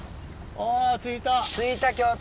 あ着いた。